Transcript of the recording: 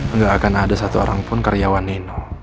nggak akan ada satu orang pun karyawan nino